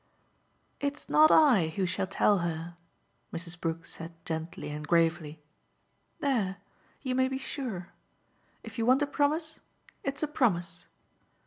"It's not I who shall tell her," Mrs. Brook said gently and gravely. "There! you may be sure. If you want a promise, it's a promise.